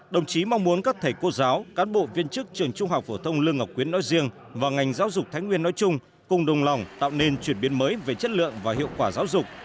đồng chí mong muốn các thầy cô giáo cán bộ viên chức trường trung học phổ thông lương ngọc quyến nói riêng và ngành giáo dục thái nguyên nói chung cùng đồng lòng tạo nên chuyển biến mới về chất lượng và hiệu quả giáo dục